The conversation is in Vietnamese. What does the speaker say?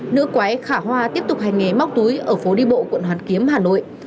nữ quái khả hoa tiếp tục hành nghề móc túi ở phố đi bộ quận hoàn kiếm hà nội